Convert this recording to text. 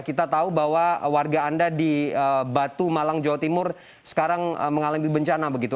kita tahu bahwa warga anda di batu malang jawa timur sekarang mengalami bencana begitu